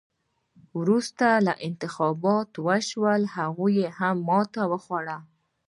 وروسته انتخابات وشول او هغه ماتې وخوړه.